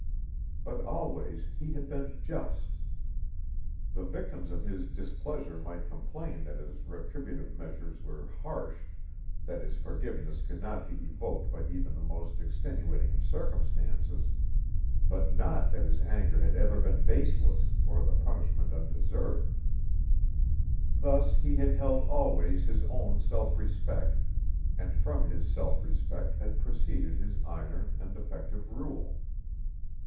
But always he had been just. The victims of his displeasure might complain that his retributive measures were harsh, that his forgiveness could not be evoked by even the most extenuating of circumstances, but not that his anger had ever been baseless or the punishment undeserved. Thus he had held always his own self respect, and from his self respect had proceeded his iron and effective rule.